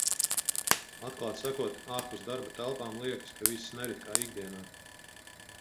Atklāti sakot, ārpus darba telpām liekas, ka viss nerit kā ikdienā.